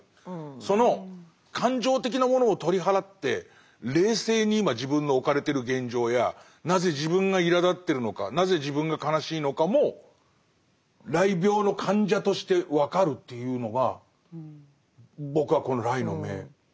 その感情的なものを取り払って冷静に今自分の置かれてる現状やなぜ自分がいらだってるのかなぜ自分が悲しいのかもらい病の患者として分かるというのが僕はこの「癩の眼」かなっていう。